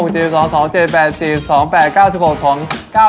โอเคเชฟขั้นด้วยนะครับขอบคุณครับ